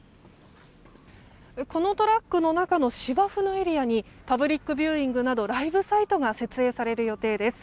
このトラックの中の芝生のエリアにパブリックビューイングなどライブサイトが設営される予定です。